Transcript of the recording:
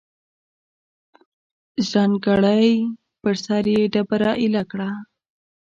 ژرندګړی پر سر یې ډبره ایله کړه.